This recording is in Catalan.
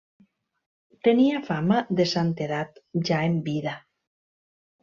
Tenia fama de santedat ja en vida.